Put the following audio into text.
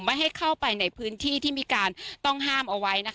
ไม่ให้เข้าไปในพื้นที่ที่มีการต้องห้ามเอาไว้